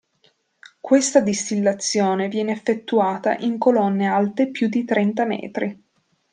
Questa distillazione viene effettuata in colonne alte più di trenta metri.